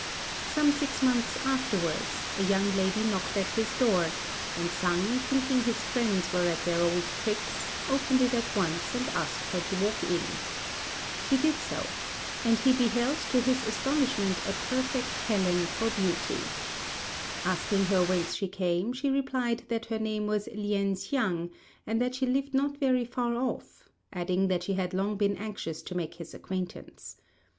Some six months afterwards, a young lady knocked at his door; and Sang, thinking his friends were at their old tricks, opened it at once, and asked her to walk in. She did so; and he beheld to his astonishment a perfect Helen for beauty. Asking her whence she came, she replied that her name was Lien hsiang, and that she lived not very far off, adding that she had long been anxious to make his acquaintance.